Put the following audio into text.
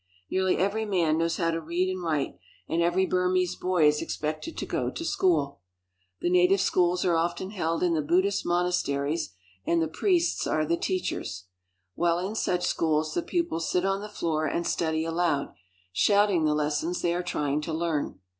Nearly every man knows how to read and write, and every Burmese boy is expected to go to school. The native schools are often held in the Buddhist monas A Page from a Burmese Book. 214 IN BRITISH BURMA teries, and the priests are the teachers. While in such schools the pupils sit on the floor and study aloud, shouting the lessons they are trying to learn.